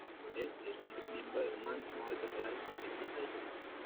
Él es un ex miembro de Romantic Mode donde era teclista y corista.